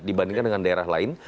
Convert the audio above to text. dibandingkan dengan daerah lain